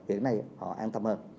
hiện nay họ an tâm hơn